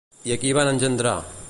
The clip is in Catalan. I a qui van engendrar?